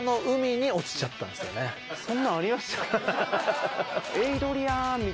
そんなんありました？